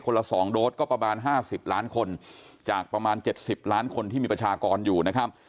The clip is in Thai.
ละ๒โดสก็ประมาณ๕๐ล้านคนจากประมาณ๗๐ล้านคนที่มีประชากรอยู่นะครับ